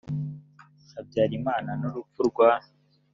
habyarimana n urupfu rwa